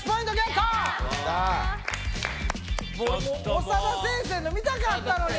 もう長田先生の見たかったのに。